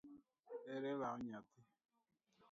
Ere law nyathi?